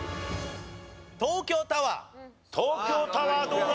東京タワーどうだ？